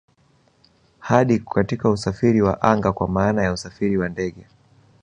Hadi katika usafiri wa anga kwa maana ya usafiri wa ndege